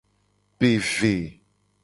Pe ve.